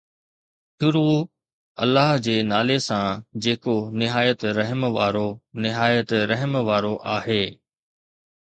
شروع الله جي نالي سان جيڪو نهايت رحم وارو نهايت رحم وارو آهي